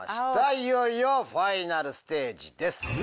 いよいよファイナルステージです。